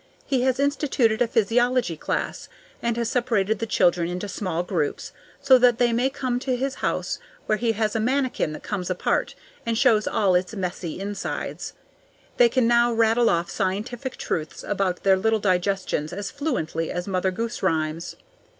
He has instituted a physiology class, and has separated the children into small groups, so that they may come to his house, where he has a manikin that comes apart and shows all its messy insides. They can now rattle off scientific truths about their little digestions as fluently as Mother Goose rhymes.